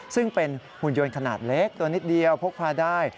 ซึ่งเป็นหุ่นยนต์ขนาดเล็กตัวนิดเดียวพกพาได้